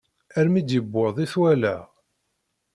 Armi d-yewweḍ i t-walaɣ.